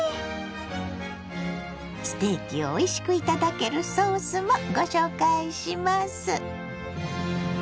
ステーキをおいしく頂けるソースもご紹介します。